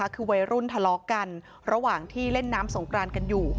คือวัยรุ่นทะเลาะกันระหว่างที่เล่นน้ำสงกรานกันอยู่